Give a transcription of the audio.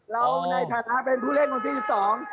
เราในฐานะเป็นผู้เล่นของทีสอง